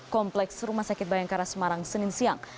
kompleks rumah sakit bayangkara semarang senin siang